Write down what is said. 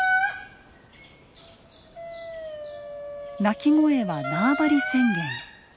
鳴き声は縄張り宣言。